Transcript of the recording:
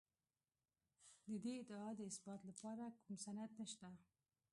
د دې ادعا د اثبات لپاره کوم سند نشته.